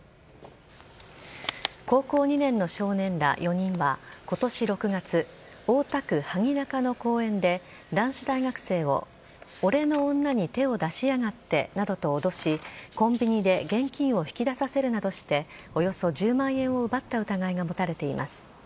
高校２年の少年ら４人は今年６月、大田区萩中の公園で男子大学生を俺の女に手を出しやがってなどと脅しコンビニで現金を引き出させるなどしておよそ１０万円を奪った疑いが持たれています。